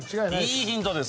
いいヒントです